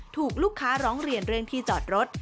ถูกลูกค้าร้องเรียนเรื่องที่จอดรถ